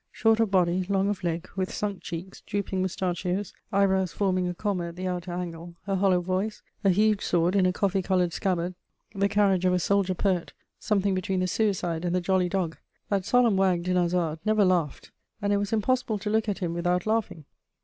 Short of body, long of leg, with sunk cheeks, drooping mustachios, eyebrows forming a comma at the outer angle, a hollow voice, a huge sword in a coffee coloured scabbard, the carriage of a soldier poet, something between the suicide and the jolly dog, that solemn wag Dinarzade never laughed, and it was impossible to look at him without laughing.